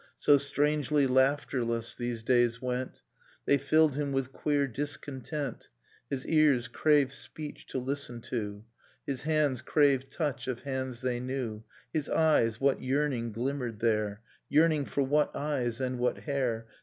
So strangely laughterless these days went. They filled him with queer discontent. His ears craved speech to listen to; His hands craved touch of hands they knew. His eyes, — what yearning glimmered there? Yearning for what eyes, and what hair?